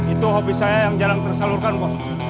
itu hobi saya yang jarang tersalurkan bos